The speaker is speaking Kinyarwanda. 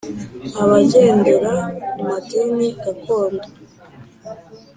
abagendera ku madini gakondo.